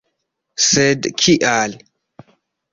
Sed kial?